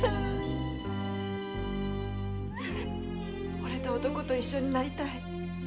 惚れた男と一緒になりたい。